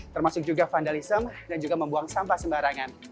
termasuk juga vandalism dan juga membuang sampah sembarangan